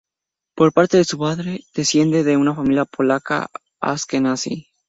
Por parte de su madre, desciende de una familia polaca askenazí.